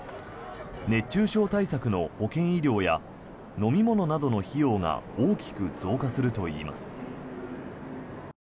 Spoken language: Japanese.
熱中症対策の保健医療や飲み物などの費用が大きく増加するといいます。